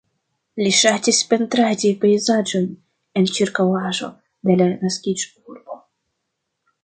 Li ŝatis pentradi pejzaĝojn en ĉirkaŭaĵo de la naskiĝurbo.